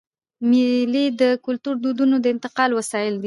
مېلې د کلتوري دودونو د انتقال وسایل دي.